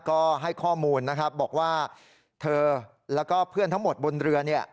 ก็ให้ข้อมูลนะครับบอกว่าเธอแล้วก็เพื่อนทั้งหมดบนเรือเนี่ย